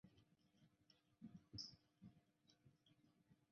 氦闪不是由表面辐射的电磁波直接观测到的。